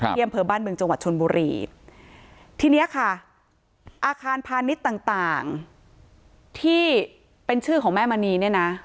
ที่เนี่ยค่ะอาคารพาณิชย์ต่างที่เป็นชื่อแม่มณีนี้นะ